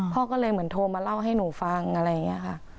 พ่อก็เลยเหมือนโทรมาเล่าให้หนูฟังอะไรอย่างนี้ค่ะ